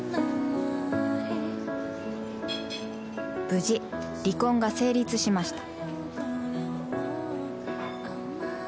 無事、離婚が成立しました。